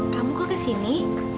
kamu kok kesini